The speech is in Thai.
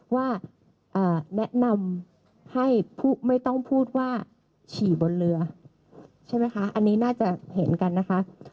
ว่าแนะนำให้ไม่ต้องพูดว่าฉี่บนเรือใช่ไหมคะอันนี้น่าจะเห็นกันนะคะ